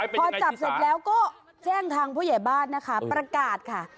พอจับเสร็จแล้วก็แจ้งทางผู้ใหญ่บ้านนะคะประกาศค่ะ